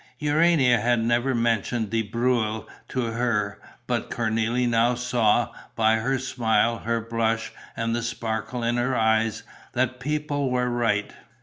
Urania had never mentioned De Breuil to her, but Cornélie now saw, by her smile, her blush and the sparkle in her eyes, that people were right.